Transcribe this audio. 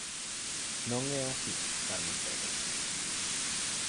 Non é así Carmen Pérez?